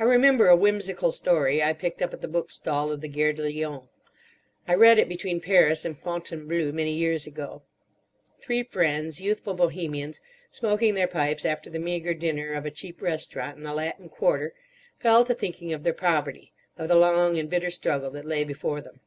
I remember a whimsical story I picked up at the bookstall of the Gare de Lyon. I read it between Paris and Fontainebleau many years ago. Three friends, youthful Bohemians, smoking their pipes after the meagre dinner of a cheap restaurant in the Latin Quarter, fell to thinking of their poverty, of the long and bitter struggle that lay before them.